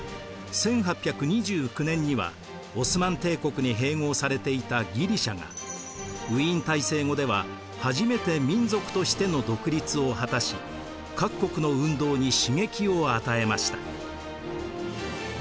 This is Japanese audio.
１８２９年にはオスマン帝国に併合されていたギリシアがウィーン体制後では初めて民族としての独立を果たし各国の運動に刺激を与えました。